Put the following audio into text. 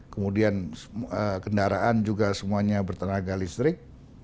kemudian kendaraan juga semuanya bertenaga listrik